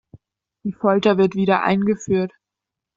Die Folter wird wieder eingeführt.